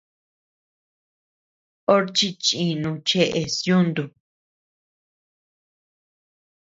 Orchi chinu cheʼes yuntu.